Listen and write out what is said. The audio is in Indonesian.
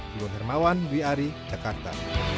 dari wri jakarta